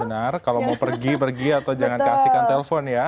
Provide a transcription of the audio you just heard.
benar kalau mau pergi pergi atau jangan kasihkan telpon ya